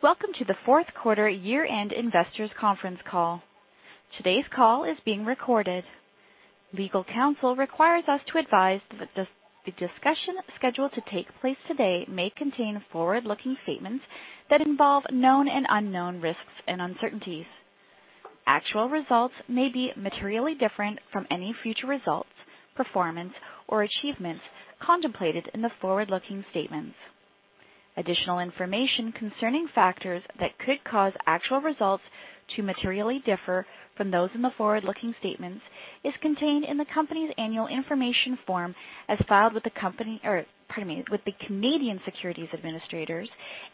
Welcome to the Fourth Quarter Year-end Investors Conference Call. Today's call is being recorded. Legal counsel requires us to advise that the discussion scheduled to take place today may contain forward-looking statements that involve known and unknown risks and uncertainties. Actual results may be materially different from any future results, performance, or achievements contemplated in the forward-looking statements. Additional information concerning factors that could cause actual results to materially differ from those in the forward-looking statements is contained in the company's annual information form as filed with the Canadian Securities Administrators,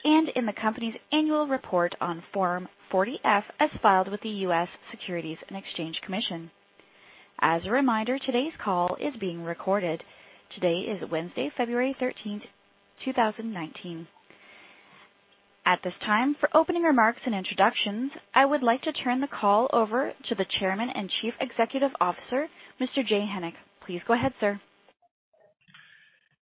and in the company's annual report on Form 40-F, as filed with the U.S. Securities and Exchange Commission. As a reminder, today's call is being recorded. Today is Wednesday, February 13, 2019. At this time, for opening remarks and introductions, I would like to turn the call over to the Chairman and Chief Executive Officer, Mr. Jay Hennick. Please go ahead, sir.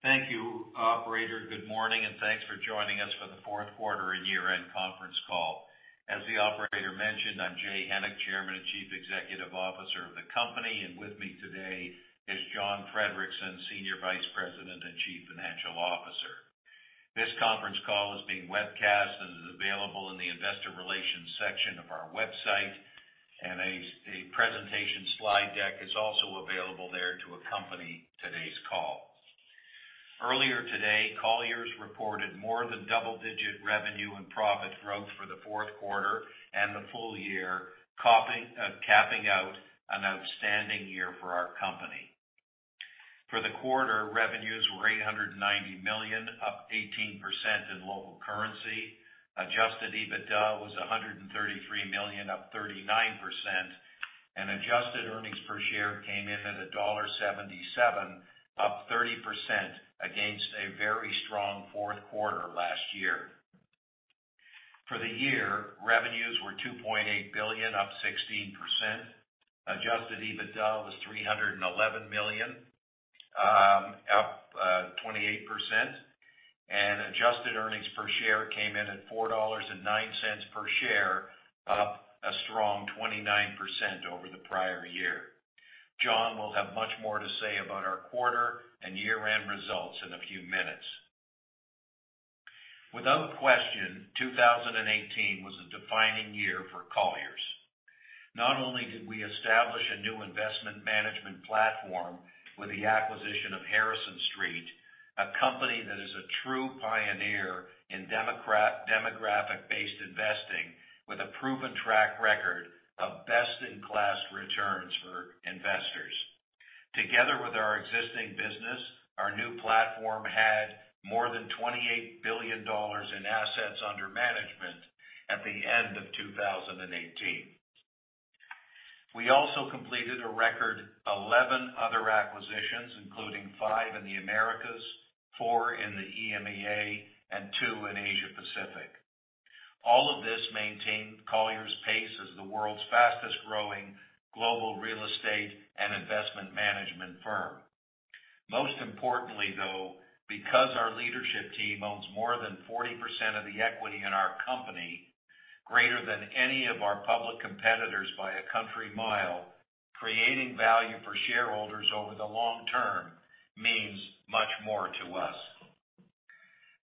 Thank you, operator. Good morning, and thanks for joining us for the Fourth Quarter and Year-end Conference Call. As the operator mentioned, I'm Jay Hennick, Chairman and Chief Executive Officer of the company, and with me today is John Friedrichsen, Senior Vice President and Chief Financial Officer. This conference call is being webcast and is available in the investor relations section of our website, and a presentation slide deck is also available there to accompany today's call. Earlier today, Colliers reported more than double-digit revenue and profit growth for the fourth quarter and the full year, capping out an outstanding year for our company. For the quarter, revenues were $890 million, up 18% in local currency. Adjusted EBITDA was $133 million, up 39%, and adjusted earnings per share came in at $1.77, up 30% against a very strong fourth quarter last year. For the year, revenues were $2.8 billion, up 16%. Adjusted EBITDA was $311 million, up 28%, and adjusted earnings per share came in at $4.09 per share, up a strong 29% over the prior year. John will have much more to say about our quarter and year-end results in a few minutes. Without question, 2018 was a defining year for Colliers. Not only did we establish a new investment management platform with the acquisition of Harrison Street, a company that is a true pioneer in demographic-based investing with a proven track record of best-in-class returns for investors. Together with our existing business, our new platform had more than $28 billion in assets under management at the end of 2018. We also completed a record 11 other acquisitions, including five in the Americas, four in the EMEA, and two in Asia Pacific. All of this maintained Colliers' pace as the world's fastest-growing global real estate and investment management firm. Most importantly, though, because our leadership team owns more than 40% of the equity in our company, greater than any of our public competitors by a country mile. Creating value for shareholders over the long term means much more to us.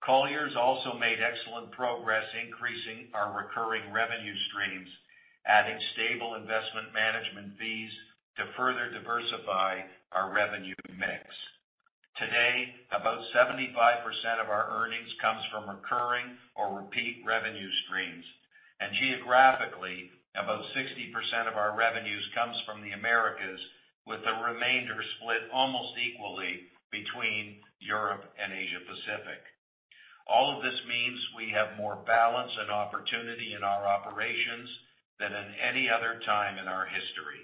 Colliers also made excellent progress increasing our recurring revenue streams, adding stable investment management fees to further diversify our revenue mix. Today, about 75% of our earnings comes from recurring or repeat revenue streams, and geographically, about 60% of our revenues comes from the Americas, with the remainder split almost equally between Europe and Asia Pacific. All of this means we have more balance and opportunity in our operations than at any other time in our history.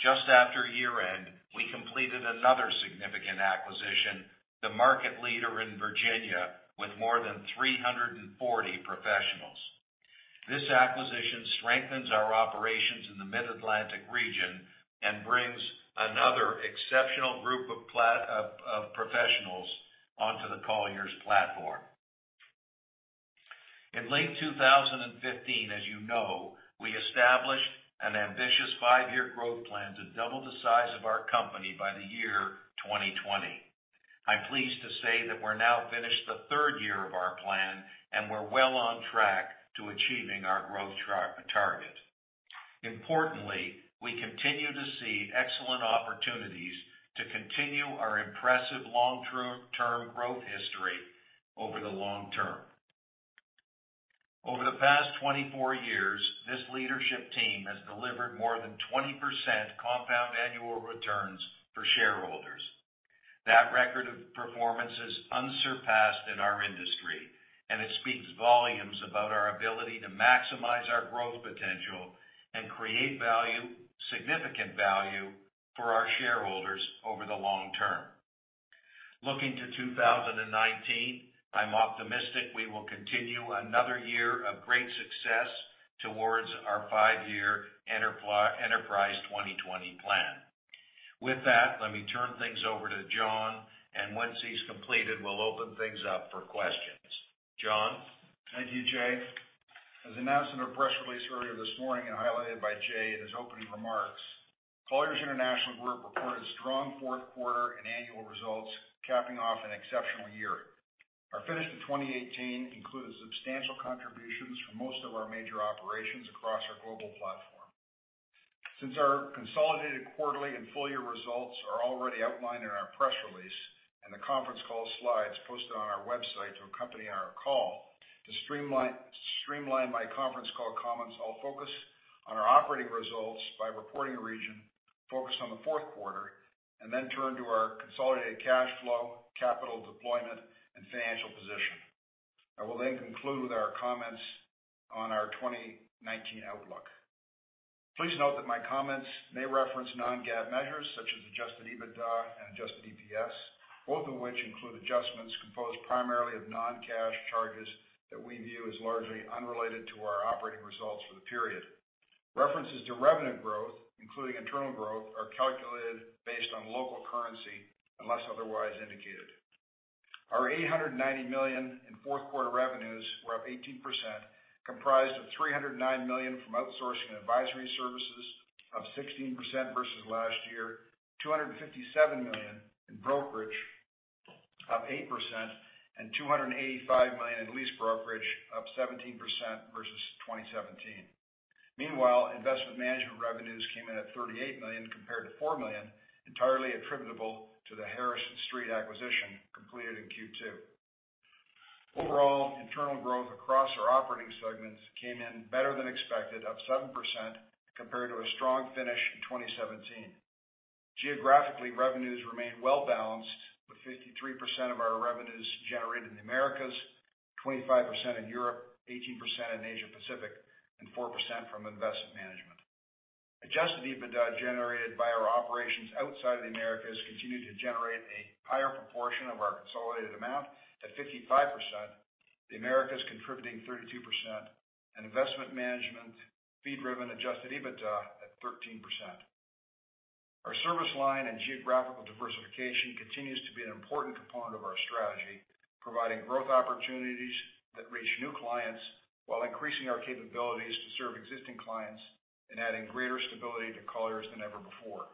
Just after year-end, we completed another significant acquisition, the market leader in Virginia with more than 340 professionals. This acquisition strengthens our operations in the Mid-Atlantic region and brings another exceptional group of professionals onto the Colliers platform. In late 2015, as you know, we established an ambitious five-year growth plan to double the size of our company by the year 2020. I'm pleased to say that we're now finished the third year of our plan, and we're well on track to achieving our growth target. Importantly, we continue to see excellent opportunities to continue our impressive long-term growth history over the long term. Over the past 24 years, this leadership team has delivered more than 20% compound annual returns for shareholders. That record of performance is unsurpassed in our industry. It speaks volumes about our ability to maximize our growth potential and create value, significant value, for our shareholders over the long term. Looking to 2019, I'm optimistic we will continue another year of great success towards our five-year Enterprise 2020 Plan. Let me turn things over to John, once he's completed, we'll open things up for questions. John? Thank you, Jay. As announced in our press release earlier this morning, highlighted by Jay in his opening remarks, Colliers International Group reported strong fourth quarter and annual results, capping off an exceptional year. Our finish to 2018 included substantial contributions from most of our major operations across our global platform. Since our consolidated quarterly and full-year results are already outlined in our press release, the conference call slides posted on our website to accompany our call, to streamline my conference call comments, I'll focus on our operating results by reporting region, focused on the fourth quarter, then turn to our consolidated cash flow, capital deployment, and financial position. I will conclude with our comments on our 2019 outlook. Please note that my comments may reference non-GAAP measures such as adjusted EBITDA and adjusted EPS, both of which include adjustments composed primarily of non-cash charges that we view as largely unrelated to our operating results for the period. References to revenue growth, including internal growth, are calculated based on local currency unless otherwise indicated. Our $890 million in fourth quarter revenues were up 18%, comprised of $309 million from outsourcing and advisory services, up 16% versus last year, $257 million in brokerage, up 8%, and $285 million in lease brokerage, up 17% versus 2017. Meanwhile, investment management revenues came in at $38 million compared to $4 million, entirely attributable to the Harrison Street acquisition completed in Q2. Overall, internal growth across our operating segments came in better than expected, up 7%, compared to a strong finish in 2017. Geographically, revenues remained well-balanced, with 53% of our revenues generated in the Americas, 25% in Europe, 18% in Asia-Pacific, and 4% from investment management. Adjusted EBITDA generated by our operations outside of the Americas continued to generate a higher proportion of our consolidated amount at 55%, the Americas contributing 32%, and investment management fee-driven adjusted EBITDA at 13%. Our service line and geographical diversification continues to be an important component of our strategy, providing growth opportunities that reach new clients while increasing our capabilities to serve existing clients and adding greater stability to Colliers than ever before.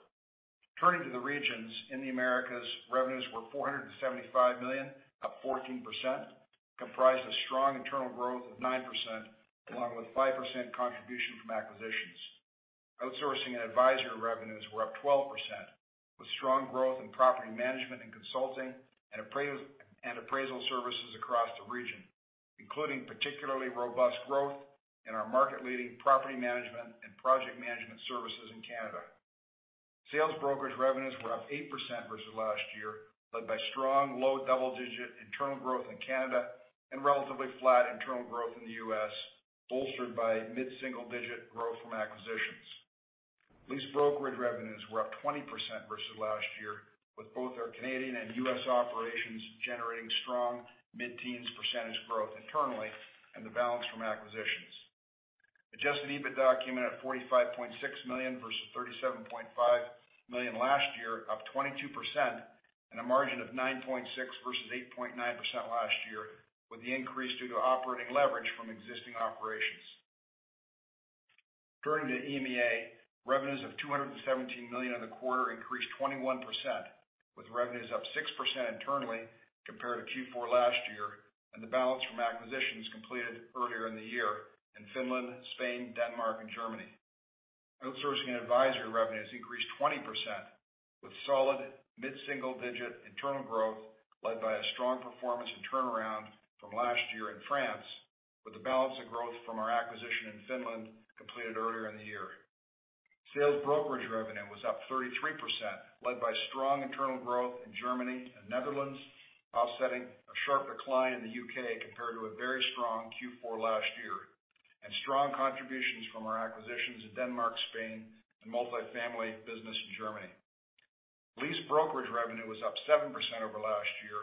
Turning to the regions, in the Americas, revenues were $475 million, up 14%, comprised of strong internal growth of 9%, along with 5% contribution from acquisitions. Outsourcing and advisory revenues were up 12%, with strong growth in property management and consulting, and appraisal services across the region, including particularly robust growth in our market-leading property management and project management services in Canada. Sales brokerage revenues were up 8% versus last year, led by strong low double-digit internal growth in Canada and relatively flat internal growth in the U.S., bolstered by mid-single-digit growth from acquisitions. Lease brokerage revenues were up 20% versus last year, with both our Canadian and U.S. operations generating strong mid-teens percentage growth internally and the balance from acquisitions. Adjusted EBITDA came in at $45.6 million versus $37.5 million last year, up 22%, and a margin of 9.6% versus 8.9% last year, with the increase due to operating leverage from existing operations. Turning to EMEA, revenues of $217 million in the quarter increased 21%, with revenues up 6% internally compared to Q4 last year, and the balance from acquisitions completed earlier in the year in Finland, Spain, Denmark, and Germany. Outsourcing and advisory revenues increased 20%, with solid mid-single-digit internal growth led by a strong performance and turnaround from last year in France, with the balance of growth from our acquisition in Finland completed earlier in the year. Sales brokerage revenue was up 33%, led by strong internal growth in Germany and Netherlands, offsetting a sharp decline in the U.K. compared to a very strong Q4 last year, and strong contributions from our acquisitions in Denmark, Spain, and multifamily business in Germany. Lease brokerage revenue was up 7% over last year,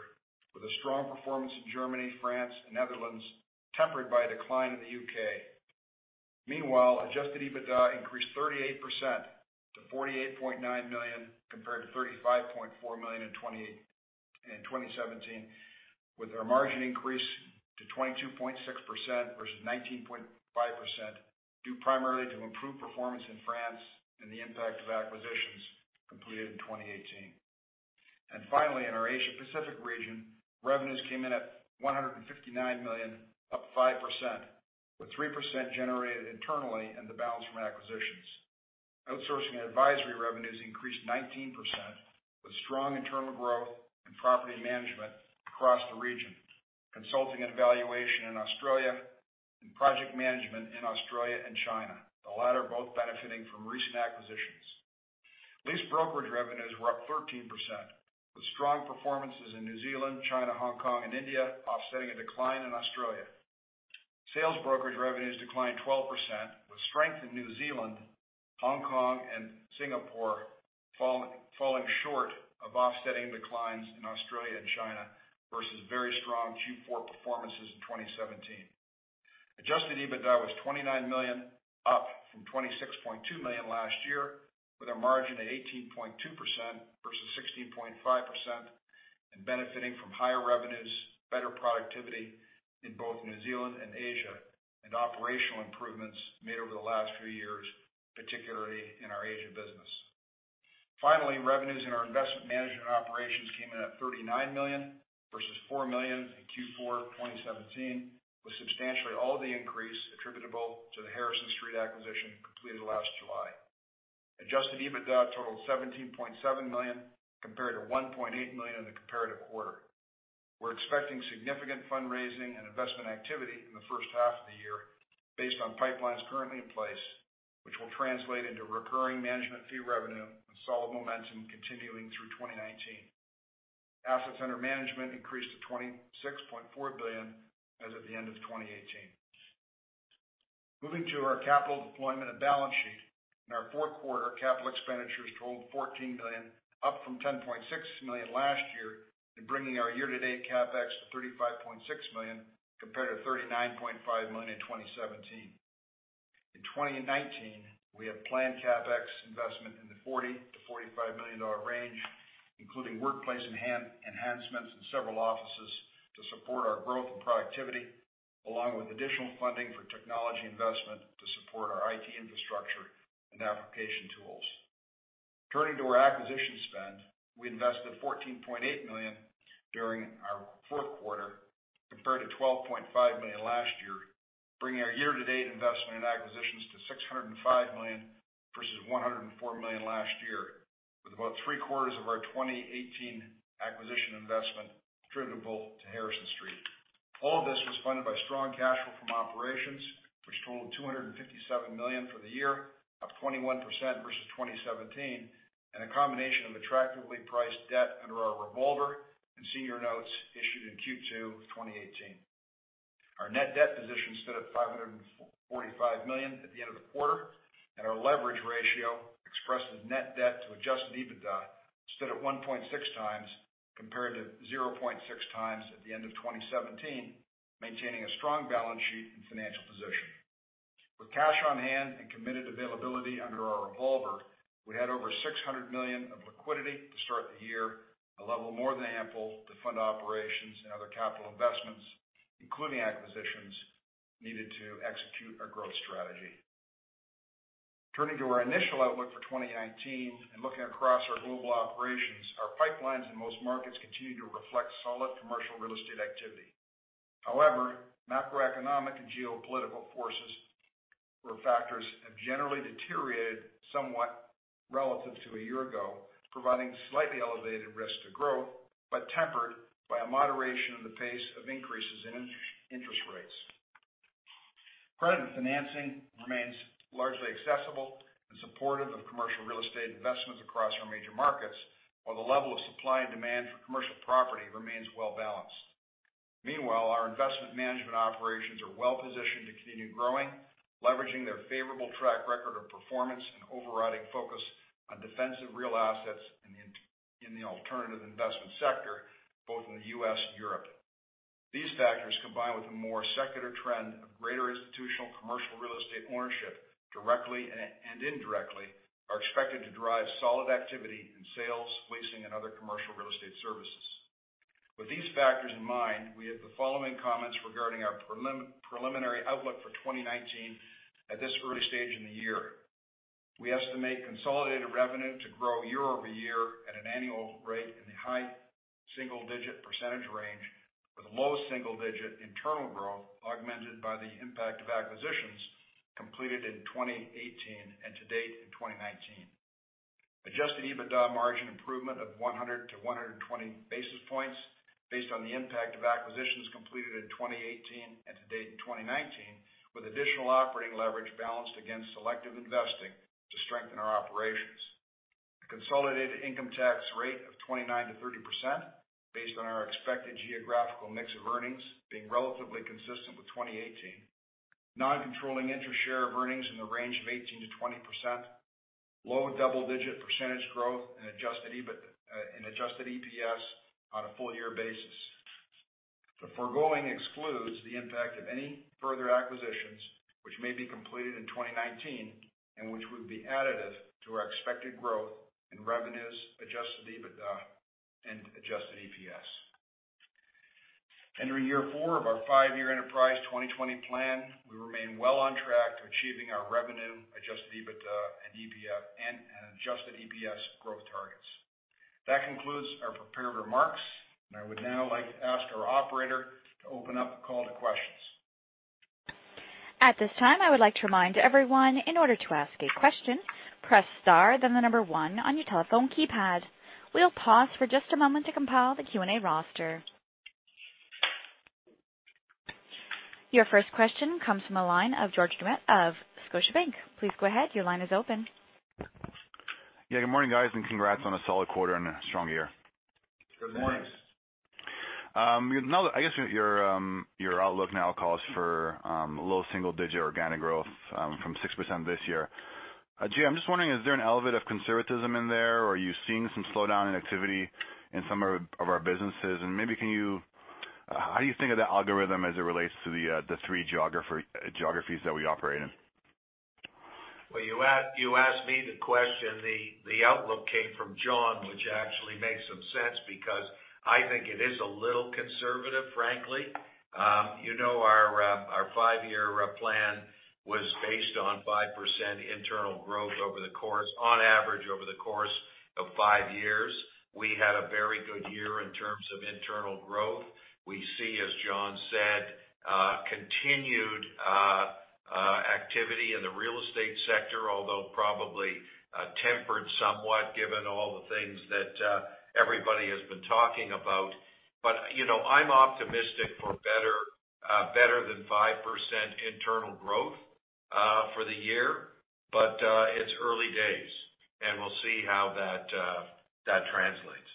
with a strong performance in Germany, France, and Netherlands, tempered by a decline in the U.K. Meanwhile, adjusted EBITDA increased 38% to $48.9 million compared to $35.4 million in 2017, with our margin increase to 22.6% versus 19.5%, due primarily to improved performance in France and the impact of acquisitions completed in 2018. Finally, in our Asia-Pacific region, revenues came in at $159 million, up 5%, with 3% generated internally and the balance from acquisitions. Outsourcing and advisory revenues increased 19%, with strong internal growth in property management across the region, consulting and valuation in Australia, and project management in Australia and China, the latter both benefiting from recent acquisitions. Lease brokerage revenues were up 13%, with strong performances in New Zealand, China, Hong Kong, and India offsetting a decline in Australia. Sales brokerage revenues declined 12%, with strength in New Zealand, Hong Kong, and Singapore falling short of offsetting declines in Australia versus very strong Q4 performances in 2017. Adjusted EBITDA was $29 million, up from $26.2 million last year, with a margin at 18.2% versus 16.5%, benefiting from higher revenues, better productivity in both New Zealand and Asia, and operational improvements made over the last few years, particularly in our Asia business. Finally, revenues in our investment management operations came in at $39 million versus $4 million in Q4 2017, with substantially all of the increase attributable to the Harrison Street acquisition completed last July. Adjusted EBITDA totaled $17.7 million compared to $1.8 million in the comparative quarter. We're expecting significant fundraising and investment activity in the first half of the year based on pipelines currently in place, which will translate into recurring management fee revenue and solid momentum continuing through 2019. Assets under management increased to $26.4 billion as of the end of 2018. Moving to our capital deployment and balance sheet. In our fourth quarter, capital expenditures totaled $14 million, up from $10.6 million last year, bringing our year-to-date CapEx to $35.6 million compared to $39.5 million in 2017. In 2019, we have planned CapEx investment in the $40 million - $45 million range, including workplace enhancements in several offices to support our growth and productivity, along with additional funding for technology investment to support our IT infrastructure and application tools. Turning to our acquisition spend, we invested $14.8 million during our fourth quarter compared to $12.5 million last year, bringing our year-to-date investment in acquisitions to $605 million versus $104 million last year, with about three-quarters of our 2018 acquisition investment attributable to Harrison Street. All of this was funded by strong cash flow from operations, which totaled $257 million for the year, up 21% versus 2017, a combination of attractively priced debt under our revolver and senior notes issued in Q2 of 2018. Our net debt position stood at $545 million at the end of the quarter, our leverage ratio expressed as net debt to adjusted EBITDA stood at 1.6x compared to 0.6x at the end of 2017, maintaining a strong balance sheet and financial position. With cash on hand and committed availability under our revolver, we had over $600 million of liquidity to start the year, a level more than ample to fund operations and other capital investments, including acquisitions needed to execute our growth strategy. Turning to our initial outlook for 2019 and looking across our global operations, our pipelines in most markets continue to reflect solid commercial real estate activity. Macroeconomic and geopolitical forces or factors have generally deteriorated somewhat relative to a year ago, providing slightly elevated risk to growth, but tempered by a moderation in the pace of increases in interest rates. Credit and financing remains largely accessible and supportive of commercial real estate investments across our major markets, while the level of supply and demand for commercial property remains well-balanced. Meanwhile, our investment management operations are well-positioned to continue growing, leveraging their favorable track record of performance and overriding focus on defensive real assets in the alternative investment sector, both in the U.S. and Europe. These factors, combined with a more secular trend of greater institutional commercial real estate ownership directly and indirectly, are expected to drive solid activity in sales, leasing, and other commercial real estate services. With these factors in mind, we have the following comments regarding our preliminary outlook for 2019 at this early stage in the year. We estimate consolidated revenue to grow year-over-year at an annual rate in the high single-digit % range with low single-digit internal growth augmented by the impact of acquisitions completed in 2018 and to date in 2019. Adjusted EBITDA margin improvement of 100-120 basis points based on the impact of acquisitions completed in 2018 and to date in 2019, with additional operating leverage balanced against selective investing to strengthen our operations. A consolidated income tax rate of 29%-30% based on our expected geographical mix of earnings being relatively consistent with 2018. Non-controlling interest share of earnings in the range of 18%-20%. Low double-digit % growth in adjusted EPS on a full-year basis. The foregoing excludes the impact of any further acquisitions which may be completed in 2019 and which would be additive to our expected growth in revenues, adjusted EBITDA, and adjusted EPS. Entering year four of our five-year Enterprise 2020 Plan, we remain well on track to achieving our revenue, adjusted EBITDA, and adjusted EPS growth targets. That concludes our prepared remarks. I would now like to ask our operator to open up the call to questions. Your first question comes from the line of George Doumet of Scotiabank. Please go ahead. Your line is open. Good morning. I guess your outlook now calls for low single-digit organic growth from 6% this year. Jay, I'm just wondering, is there an element of conservatism in there? Are you seeing some slowdown in activity in some of our businesses? How do you think of the algorithm as it relates to the three geographies that we operate in? Well, you asked me the question. The outlook came from John, which actually makes some sense because I think it is a little conservative, frankly. Our five-year plan was based on 5% internal growth on average over the course of five years. We had a very good year in terms of internal growth. We see, as John said, continued activity in the real estate sector, although probably tempered somewhat given all the things that everybody has been talking about. I'm optimistic for better than 5% internal growth for the year. It's early days, we'll see how that translates.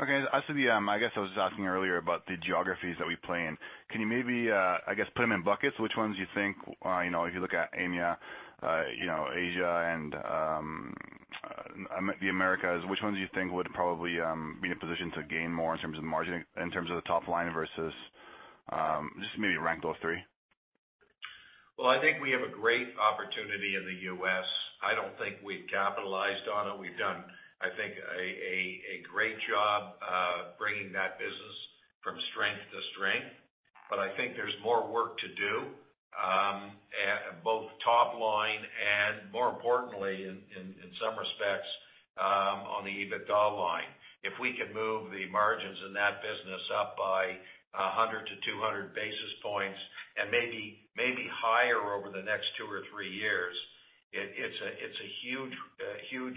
Okay. I guess I was asking earlier about the geographies that we play in. Can you maybe put them in buckets? If you look at EMEA, Asia, and the Americas, which ones do you think would probably be in a position to gain more in terms of the top line? Just maybe rank those three. Well, I think we have a great opportunity in the U.S. I don't think we've capitalized on it. We've done, I think, a great job bringing that business from strength to strength. I think there's more work to do, both top line and, more importantly, in some respects, on the EBITDA line. If we can move the margins in that business up by 100 - 200 basis points and maybe higher over the next two or three years, it's a huge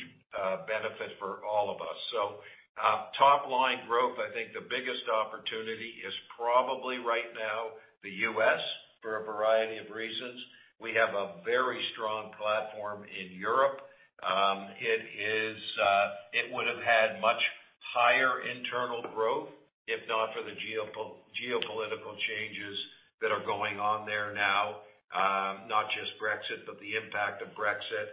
benefit for all of us. Top-line growth, I think the biggest opportunity is probably right now the U.S., for a variety of reasons. We have a very strong platform in Europe. It would have had much higher internal growth if not for the geopolitical changes that are going on there now. Not just Brexit, but the impact of Brexit,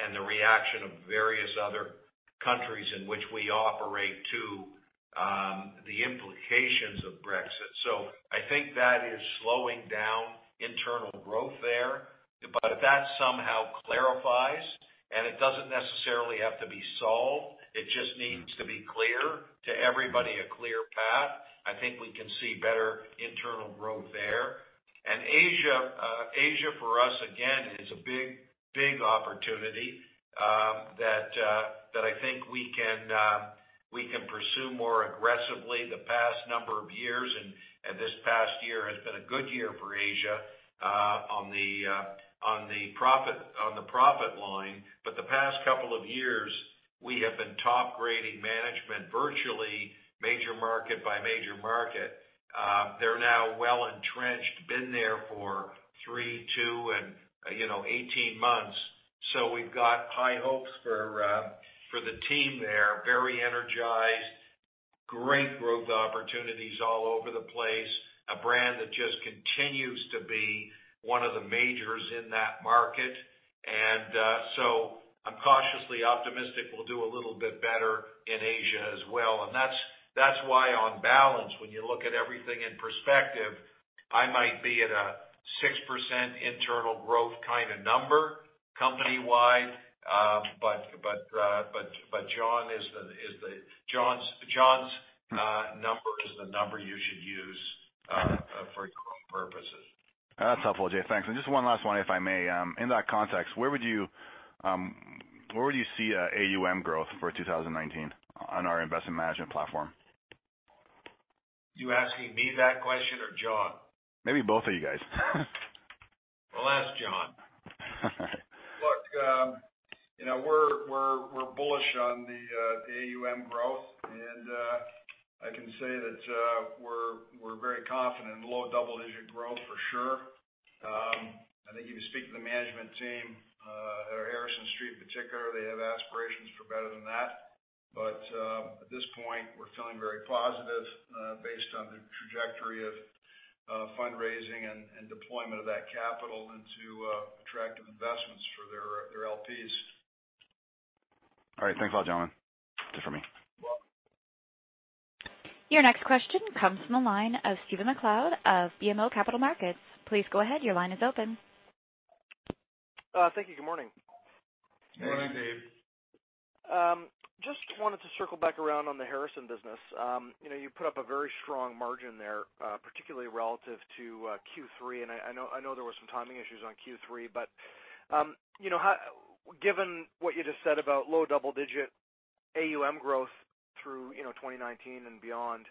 and the reaction of various other countries in which we operate to the implications of Brexit. I think that is slowing down internal growth there. If that somehow clarifies, and it doesn't necessarily have to be solved, it just needs to be clear to everybody, a clear path, I think we can see better internal growth there. Asia, for us, again, is a big opportunity that I think we can pursue more aggressively the past number of years. This past year has been a good year for Asia on the profit line. The past couple of years, we have been top-grading management virtually major market by major market. They're now well-entrenched, been there for three, two, and 18 months. We've got high hopes for the team there. Very energized, great growth opportunities all over the place, a brand that just continues to be one of the majors in that market. I'm cautiously optimistic we'll do a little bit better in Asia as well. That's why on balance, when you look at everything in perspective, I might be at a 6% internal growth kind of number company-wide. John's number is the number you should use for your own purposes. That's helpful, Jay. Thanks. Just one last one, if I may. In that context, where would you see AUM growth for 2019 on our investment management platform? You asking me that question or John? Maybe both of you guys. We'll ask John. Look, we're bullish on the AUM growth, I can say that we're very confident in low double-digit growth for sure. I think if you speak to the management team at our Harrison Street in particular, they have aspirations for better than that. At this point, we're feeling very positive based on the trajectory of fundraising and deployment of that capital into attractive investments for their LPs. All right. Thanks a lot, John. That's it for me. Your next question comes from the line of Stephen MacLeod of BMO Capital Markets. Please go ahead. Your line is open. Thank you. Good morning? Good morning, Dave. Just wanted to circle back around on the Harrison business. You put up a very strong margin there, particularly relative to Q3, and I know there were some timing issues on Q3, but given what you just said about low double-digit AUM growth through 2019 and beyond,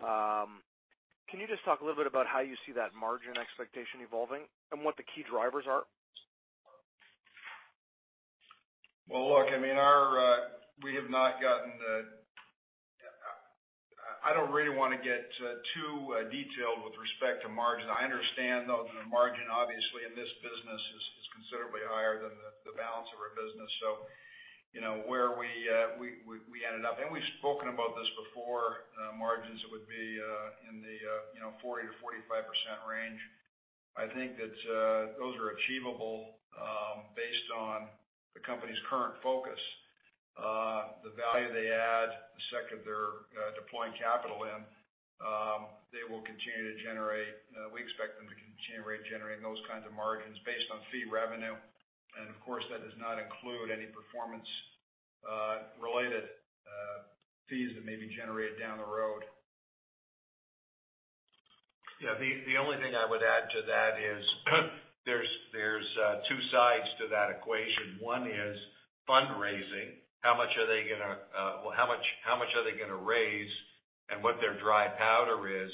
can you just talk a little bit about how you see that margin expectation evolving and what the key drivers are? Well, look, I don't really want to get too detailed with respect to margin. I understand, though, that the margin obviously in this business is considerably higher than. Balance of our business. Where we ended up, and we've spoken about this before, margins would be in the 40%-45% range. I think that those are achievable based on the company's current focus. The value they add, the sector they're deploying capital in, we expect them to continue generating those kinds of margins based on fee revenue. Of course, that does not include any performance-related fees that may be generated down the road. The only thing I would add to that is, there's two sides to that equation. One is fundraising. How much are they going to raise, and what their dry powder is,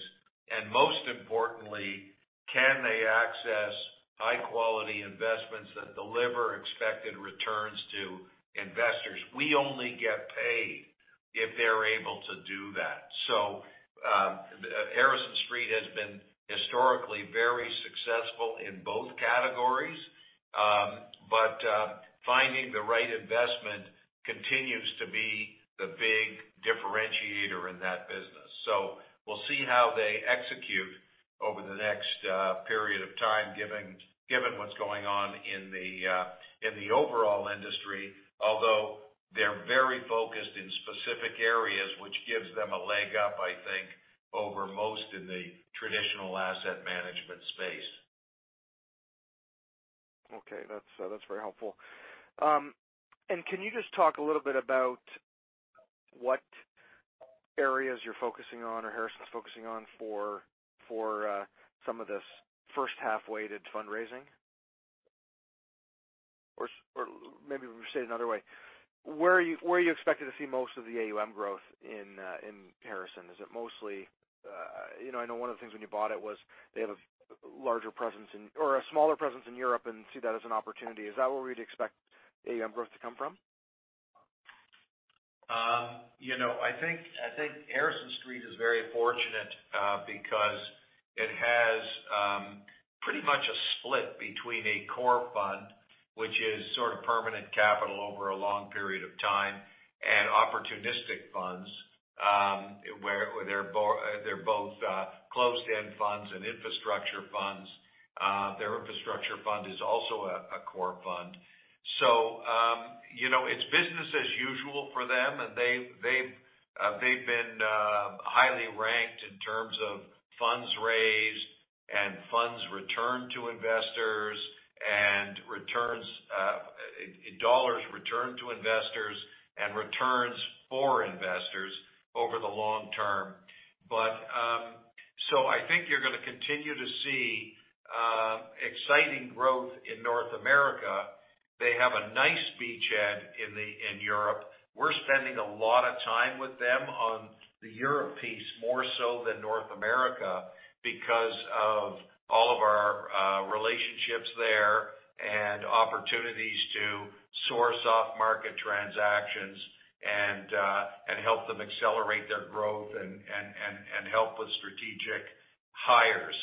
and most importantly, can they access high-quality investments that deliver expected returns to investors? We only get paid if they're able to do that. Harrison Street has been historically very successful in both categories. Finding the right investment continues to be the big differentiator in that business. We'll see how they execute over the next period of time, given what's going on in the overall industry. Although they're very focused in specific areas, which gives them a leg up, I think, over most in the traditional asset management space. Okay. That's very helpful. Can you just talk a little bit about what areas you're focusing on or Harrison's focusing on for some of this first-half weighted fundraising? Or maybe let me say it another way. Where are you expected to see most of the AUM growth in Harrison? I know one of the things when you bought it was they have a smaller presence in Europe and see that as an opportunity. Is that where we'd expect AUM growth to come from? I think Harrison Street is very fortunate because it has pretty much a split between a core fund, which is sort of permanent capital over a long period of time, and opportunistic funds, where they're both closed-end funds and infrastructure funds. Their infrastructure fund is also a core fund. It's business as usual for them, and they've been highly ranked in terms of funds raised and funds returned to investors, and $ returned to investors, and returns for investors over the long term. I think you're going to continue to see exciting growth in North America. They have a nice beachhead in Europe. We're spending a lot of time with them on the Europe piece, more so than North America, because of all of our relationships there and opportunities to source off-market transactions and help them accelerate their growth and help with strategic hires.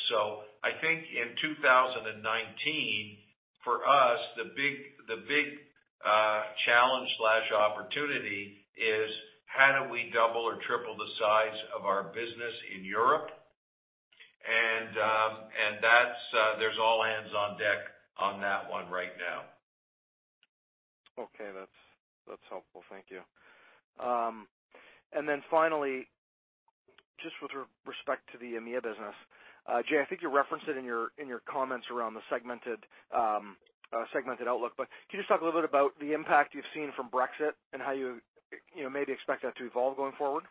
I think in 2019, for us, the big challenge/opportunity is how do we double or triple the size of our business in Europe, and there's all hands on deck on that one right now. Okay. That's helpful. Thank you. Finally, just with respect to the EMEA business, Jay, I think you referenced it in your comments around the segmented outlook, but can you just talk a little bit about the impact you've seen from Brexit and how you maybe expect that to evolve going forward?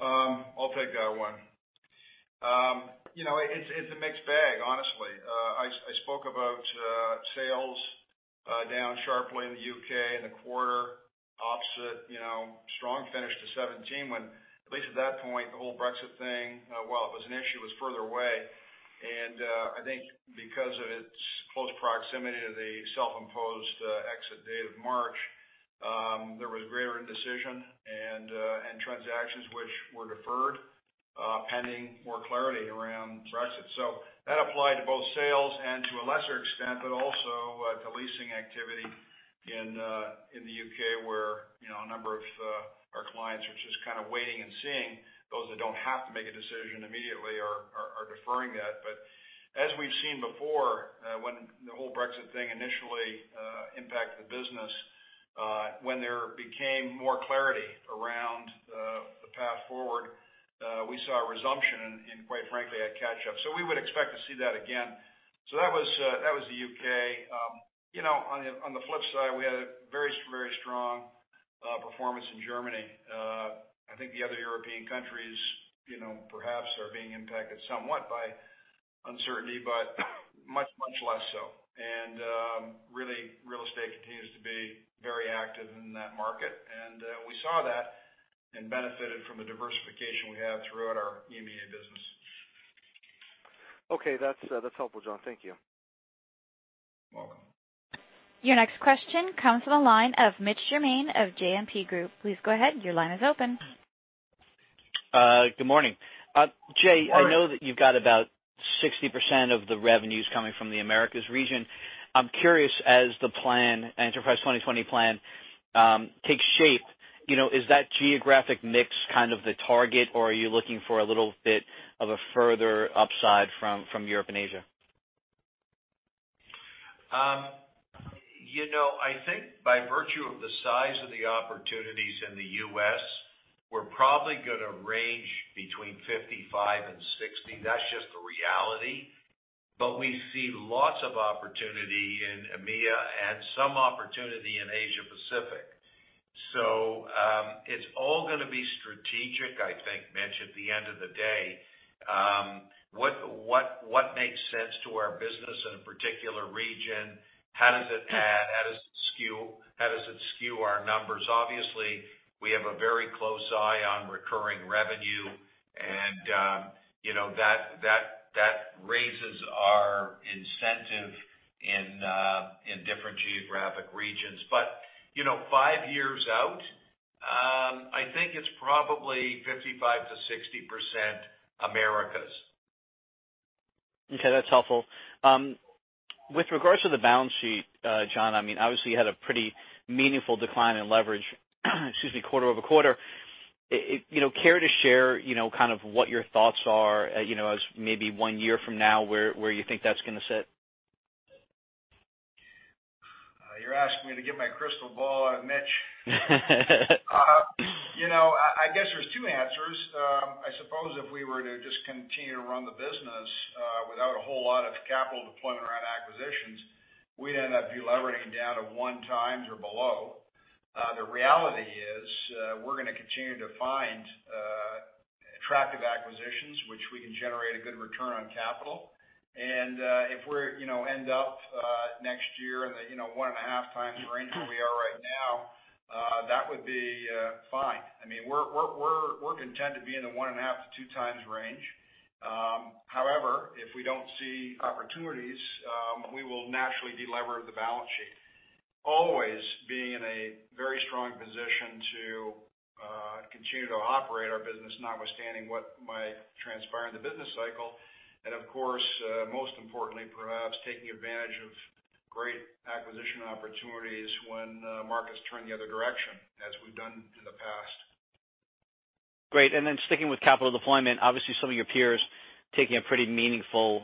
I'll take that one. It's a mixed bag, honestly. I spoke about sales down sharply in the U.K. in the quarter opposite strong finish to 2017, when at least at that point, the whole Brexit thing, while it was an issue, was further away. I think because of its close proximity to the self-imposed exit date of March, there was greater indecision and transactions which were deferred pending more clarity around Brexit. That applied to both sales and to a lesser extent, but also to leasing activity in the U.K., where a number of our clients are just kind of waiting and seeing. Those that don't have to make a decision immediately are deferring that. As we've seen before, when the whole Brexit thing initially impacted the business, when there became more clarity around the path forward, we saw a resumption and quite frankly, a catch-up. We would expect to see that again. That was the U.K. On the flip side, we had a very strong performance in Germany. I think the other European countries perhaps are being impacted somewhat by uncertainty, but much less so. Really, real estate continues to be very active in that market. We saw that and benefited from the diversification we have throughout our EMEA business. Okay. That's helpful, John. Thank you. You're welcome. Your next question comes from the line of Mitch Germain of JMP Group. Please go ahead, your line is open. Good morning. Jay, I know that you've got about 60% of the revenues coming from the Americas region. I'm curious, as the Enterprise 2020 Plan takes shape, is that geographic mix kind of the target, or are you looking for a little bit of a further upside from Europe and Asia? I think by virtue of the size of the opportunities in the U.S., we're probably going to range between 55% and 60%. That's just the reality. We see lots of opportunity in EMEA and some opportunity in Asia Pacific. It's all going to be strategic, I think, Mitch, at the end of the day. What makes sense to our business in a particular region? How does it add? How does it skew our numbers? Obviously, we have a very close eye on recurring revenue and that raises our incentive in different geographic regions. Five years out, I think it's probably 55% to 60% Americas. Okay, that's helpful. With regards to the balance sheet, John, obviously you had a pretty meaningful decline in leverage quarter-over-quarter. Care to share what your thoughts are as maybe one year from now, where you think that's going to sit? You're asking me to get my crystal ball out, Mitch. I guess there's two answers. I suppose if we were to just continue to run the business without a whole lot of capital deployment around acquisitions, we'd end up de-leveraging down to one times or below. The reality is, we're going to continue to find attractive acquisitions which we can generate a good return on capital. If we end up next year in the 1.5x Range where we are right now, that would be fine. We're content to be in the 1.5x -2x range. However, if we don't see opportunities, we will naturally de-lever the balance sheet. Always be in a very strong position to continue to operate our business, notwithstanding what might transpire in the business cycle. Of course, most importantly perhaps, taking advantage of great acquisition opportunities when markets turn the other direction, as we've done in the past. Great. Then sticking with capital deployment, obviously some of your peers taking a pretty meaningful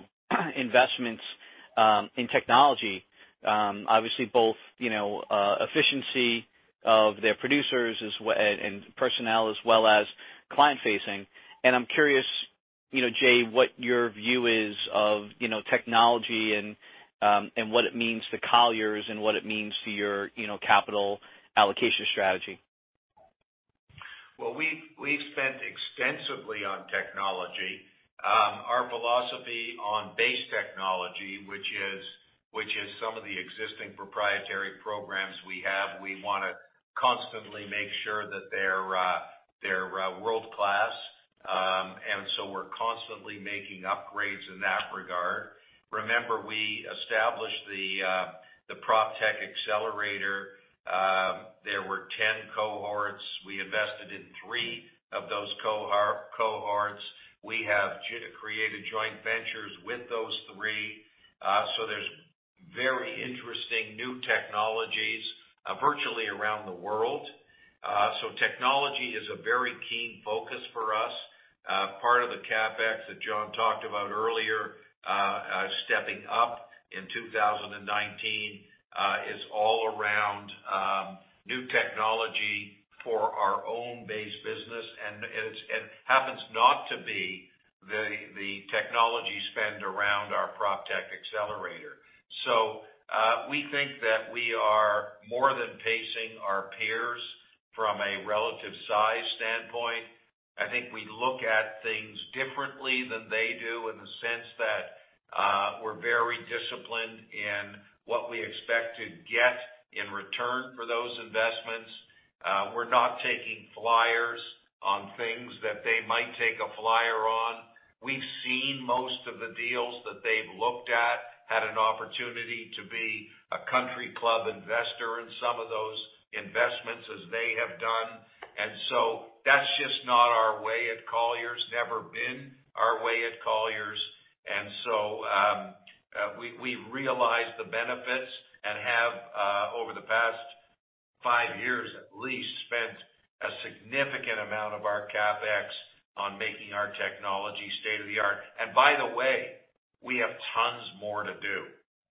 investments in technology. Obviously both efficiency of their producers and personnel as well as client facing. I'm curious, Jay, what your view is of technology and what it means to Colliers and what it means to your capital allocation strategy. Well, we've spent extensively on technology. Our philosophy on base technology, which is some of the existing proprietary programs we have, we want to constantly make sure that they're world-class. We're constantly making upgrades in that regard. Remember, we established the Proptech Accelerator. There were 10 cohorts. We invested in three of those cohorts. We have created joint ventures with those three. There's very interesting new technologies virtually around the world. Technology is a very keen focus for us. Part of the CapEx that John talked about earlier, stepping up in 2019, is all around new technology for our own base business. It happens not to be the technology spend around our Proptech Accelerator. We think that we are more than pacing our peers from a relative size standpoint. I think we look at things differently than they do in the sense that we're very disciplined in what we expect to get in return for those investments. We're not taking flyers on things that they might take a flyer on. We've seen most of the deals that they've looked at, had an opportunity to be a country club investor in some of those investments as they have done. That's just not our way at Colliers, never been our way at Colliers. We've realized the benefits and have, over the past five years at least, spent a significant amount of our CapEx on making our technology state-of-the-art. By the way, we have tons more to do.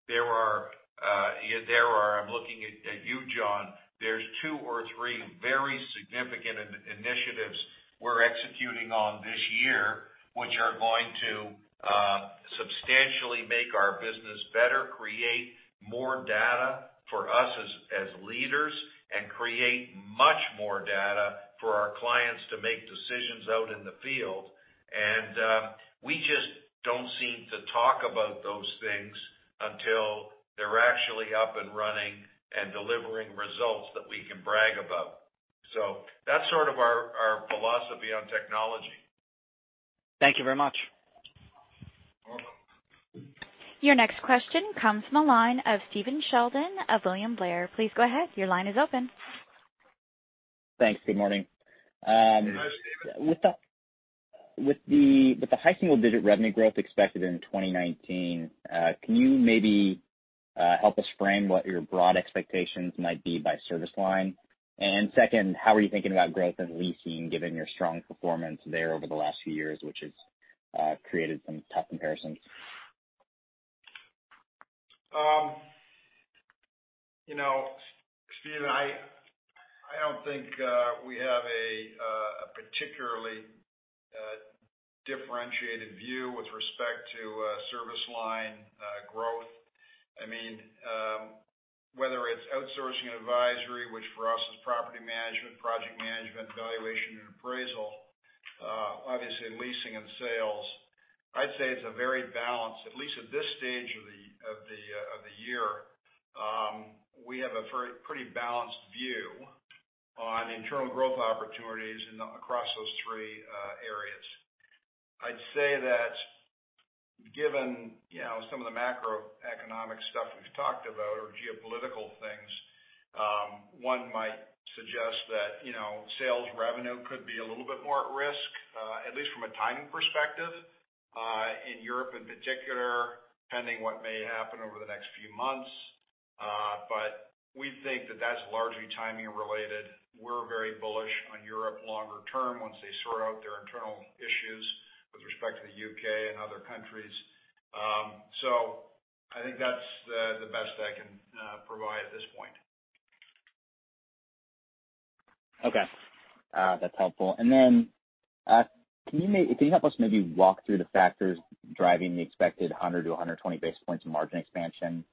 There are, I'm looking at you, John, there's two or three very significant initiatives we're executing on this year, which are going to substantially make our business better, create more data for us as leaders, and create much more data for our clients to make decisions out in the field. We just don't seem to talk about those things until they're actually up and running and delivering results that we can brag about. That's sort of our philosophy on technology. Thank you very much. Your next question comes from the line of Stephen Sheldon of William Blair. Thanks. Good morning? Good morning, Stephen. With the high single-digit revenue growth expected in 2019, can you maybe help us frame what your broad expectations might be by service line? Second, how are you thinking about growth in leasing, given your strong performance there over the last few years, which has created some tough comparisons? Stephen, I don't think we have a particularly differentiated view with respect to service line growth. Whether it's outsourcing and advisory, which for us is property management, project management, valuation, and appraisal, obviously, leasing and sales, I'd say it's a very balanced, at least at this stage of the year. We have a pretty balanced view on internal growth opportunities across those three areas. I'd say that given some of the macroeconomic stuff we've talked about or geopolitical things, one might suggest that sales revenue could be a little bit more at risk, at least from a timing perspective, in Europe in particular, pending what may happen over the next few months. We think that that's largely timing related. We're very bullish on Europe longer term once they sort out their internal issues with respect to the U.K. and other countries. I think that's the best I can provide at this point. Okay. That's helpful. Can you help us maybe walk through the factors driving the expected 100 - 120 basis points in margin expansion?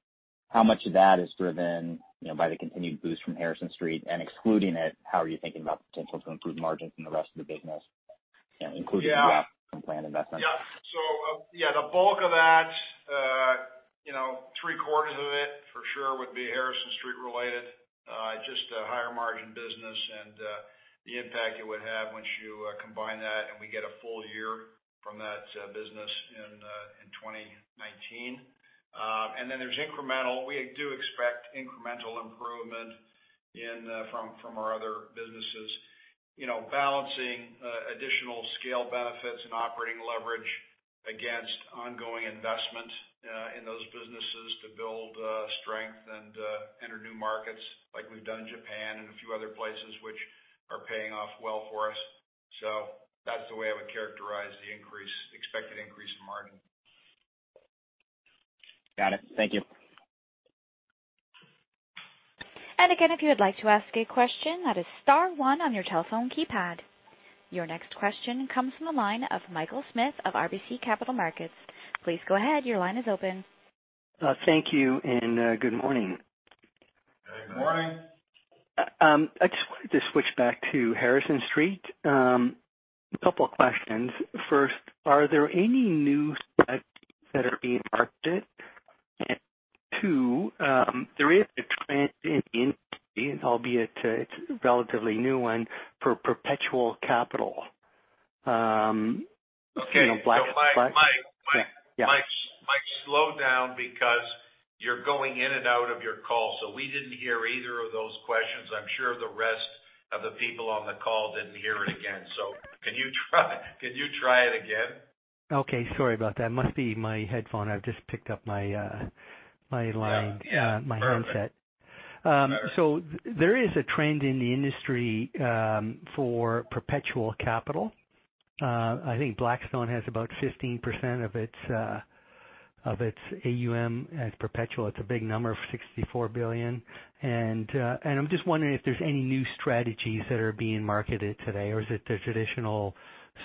How much of that is driven by the continued boost from Harrison Street? Excluding it, how are you thinking about potential to improve margins in the rest of the business, including some planned investments? Yeah. The bulk of that, three-quarters of it for sure, would be Harrison Street-related. Just a higher margin business and the impact it would have once you combine that and we get a full year from that business in 2019. There's incremental. We do expect incremental improvement from our other businesses. Balancing additional scale benefits and operating leverage against ongoing investment in those businesses to build strength and enter new markets like we've done in Japan and a few other places, which are paying off well for us. That's the way I would characterize the expected increase in margin. Got it. Thank you. Your next question comes from the line of Michael Smith of RBC Capital Markets. Thank you, and good morning? Good morning. I just wanted to switch back to Harrison Street. A couple of questions. First, are there any new strategies that are being marketed? Two, there is a trend in, albeit it's a relatively new one, for perpetual capital. Okay. Mike. Yeah Slow down because you're going in and out of your call. We didn't hear either of those questions. I'm sure the rest of the people on the call didn't hear it again. Can you try it again? Okay. Sorry about that. Must be my headphone. I've just picked up my line. Yeah. My handset. Perfect. There is a trend in the industry for perpetual capital. I think Blackstone has about 15% of its AUM as perpetual. It's a big number, $64 billion. I'm just wondering if there's any new strategies that are being marketed today or is it the traditional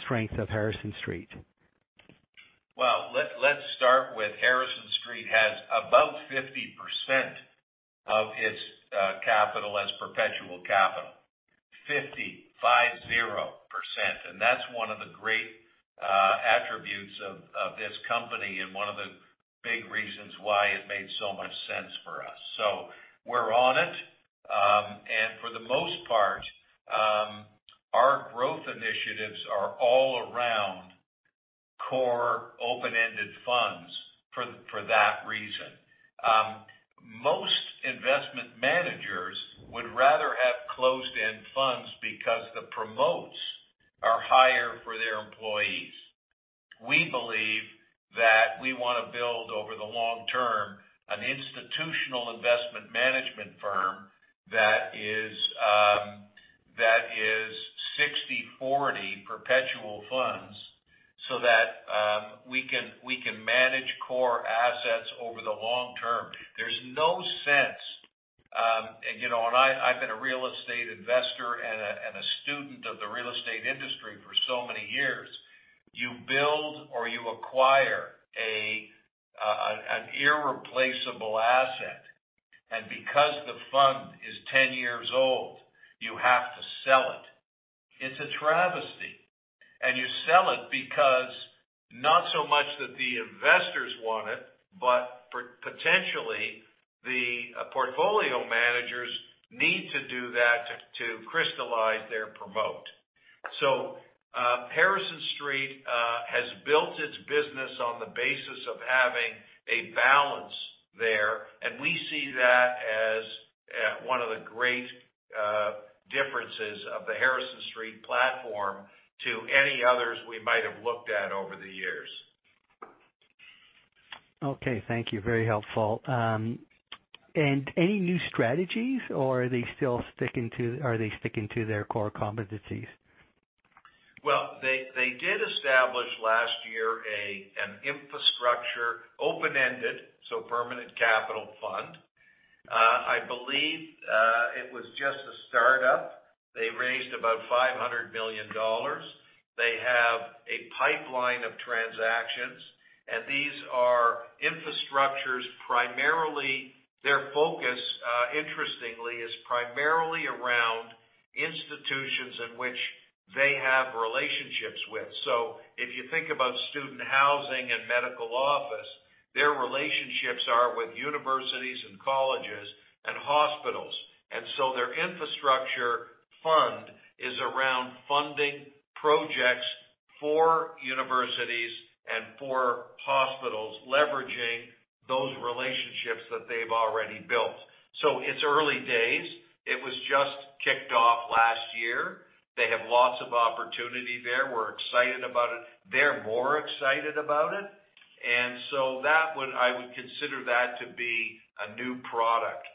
strength of Harrison Street? Well, let's start with Harrison Street has above 50% of its capital as perpetual capital. 50%, and that's one of the great attributes of this company and one of the big reasons why it made so much sense for us. We're on it. For the most part, our growth initiatives are all around core open-ended funds for that reason. Most investment managers would rather have closed-end funds because the promotes are higher for their employees. We believe that we want to build over the long term an institutional investment management firm that is 60/40 perpetual funds so that we can manage core assets over the long term. There's no sense, I've been a real estate investor and a student of the real estate industry for so many years. You build or you acquire an irreplaceable asset, and because the fund is 10 years old, you have to sell it. It's a travesty. You sell it because not so much that the investors want it, but potentially the portfolio managers need to do that to crystallize their promote. Harrison Street has built its business on the basis of having a balance there, and we see that as one of the great differences of the Harrison Street platform to any others we might have looked at over the years. Thank you. Very helpful. Any new strategies, or are they sticking to their core competencies? They did establish last year an infrastructure open-ended, permanent capital fund. I believe it was just a startup. They raised about $500 million. They have a pipeline of transactions, and these are infrastructures. Their focus, interestingly, is primarily around institutions in which they have relationships with. If you think about student housing and medical office, their relationships are with universities and colleges and hospitals. Their infrastructure fund is around funding projects for universities and for hospitals, leveraging those relationships that they've already built. It's early days. It was just kicked off last year. They have lots of opportunity there. We're excited about it. They're more excited about it. I would consider that to be a new product.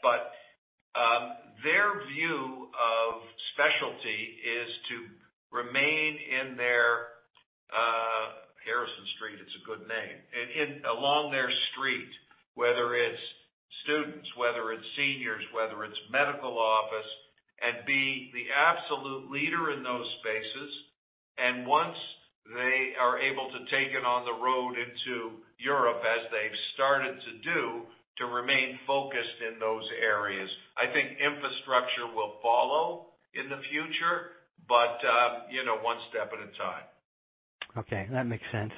Their view of specialty is to remain in their, Harrison Street, it's a good name, along their street, whether it's students, whether it's seniors, whether it's medical office, and be the absolute leader in those spaces. Once they are able to take it on the road into Europe, as they've started to do, to remain focused in those areas. I think infrastructure will follow in the future. One step at a time. That makes sense.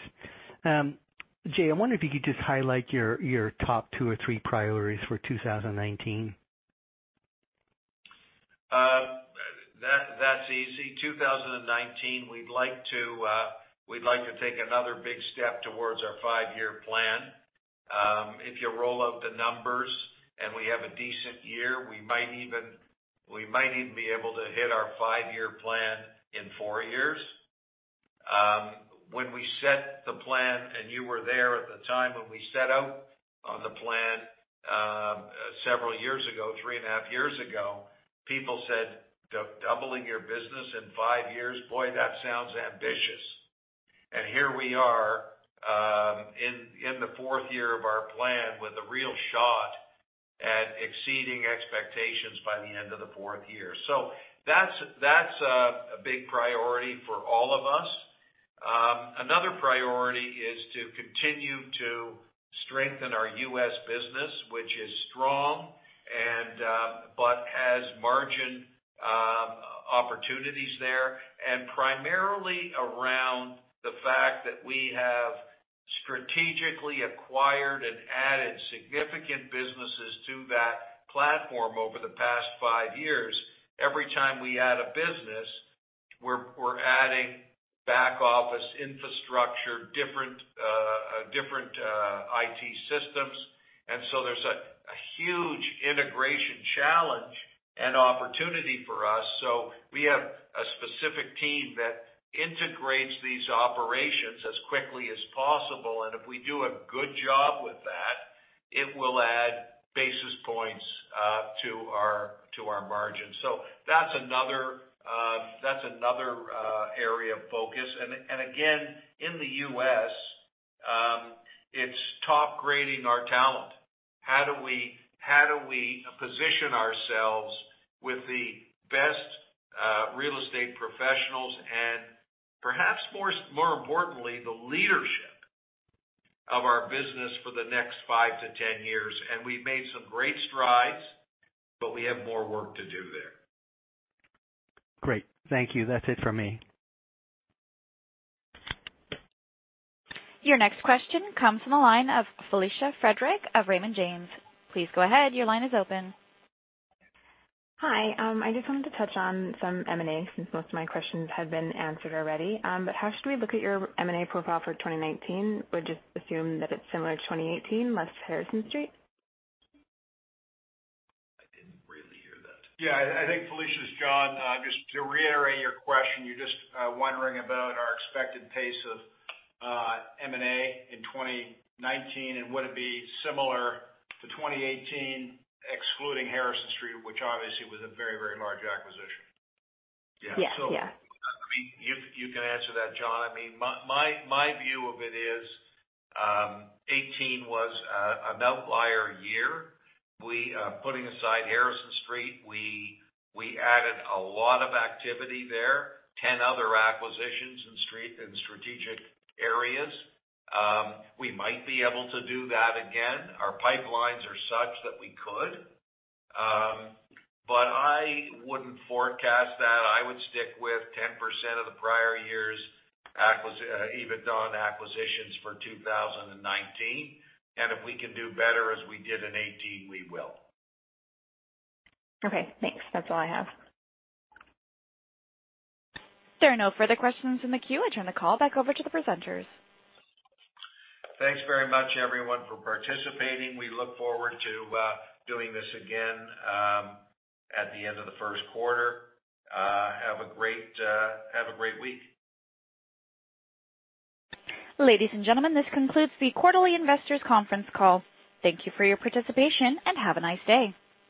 Jay, I wonder if you could just highlight your top two or three priorities for 2019? That's easy. 2019, we'd like to take another big step towards our five-year plan. If you roll out the numbers and we have a decent year, we might even be able to hit our five-year plan in four years. When we set the plan, and you were there at the time when we set out on the plan several years ago, three and a half years ago, people said, "Doubling your business in five years? Boy, that sounds ambitious." Here we are in the fourth year of our plan with a real shot at exceeding expectations by the end of the fourth year. That's a big priority for all of us. Another priority is to continue to strengthen our U.S. business, which is strong but has margin opportunities there, and primarily around the fact that we have strategically acquired and added significant businesses to that platform over the past five years. Every time we add a business, we're adding back-office infrastructure, different IT systems. There's a huge integration challenge and opportunity for us. We have a specific team that integrates these operations as quickly as possible, and if we do a good job with that, it will add basis points to our margin. That's another area of focus, and again, in the U.S., it's top-grading our talent. How do we position ourselves with the best real estate professionals and perhaps more importantly, the leadership of our business for the next five - 10 years? We've made some great strides, but we have more work to do there. Great. Thank you. That's it from me. Your next question comes from the line of Frederic Bastien of Raymond James. Hi. I just wanted to touch on some M&A since most of my questions have been answered already. How should we look at your M&A profile for 2019? Just assume that it's similar to 2018, less Harrison Street? I didn't really hear that. I think Frederic's, John, just to reiterate your question, you're just wondering about our expected pace of M&A in 2019, and would it be similar to 2018, excluding Harrison Street, which obviously was a very large acquisition. Yeah. You can answer that, John. My view of it is 2018 was an outlier year. Putting aside Harrison Street, we added a lot of activity there, 10 other acquisitions in strategic areas. We might be able to do that again. Our pipelines are such that we could. I wouldn't forecast that. I would stick with 10% of the prior year's EBITDA and acquisitions for 2019. If we can do better as we did in 2018, we will. Okay, thanks. That's all I have. There are no further questions in the queue. I turn the call back over to the presenters. Thanks very much, everyone, for participating. We look forward to doing this again at the end of the first quarter. Have a great week. Ladies and gentlemen, this concludes the quarterly investors conference call. Thank you for your participation, and have a nice day.